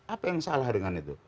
apa yang salah dengan itu